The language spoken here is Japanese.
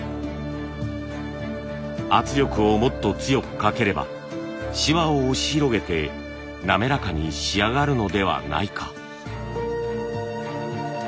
圧力をもっと強くかければシワを押し広げて滑らかに仕上がるのではないか。